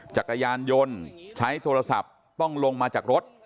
จักรยานยนต์ใช้โทรศัพท์ต้องลงมาจากรถ